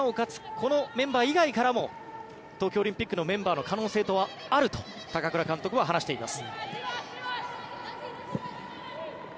このメンバー以外からも東京オリンピックのメンバーの可能性があると高倉監督は話しています。